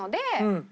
うん。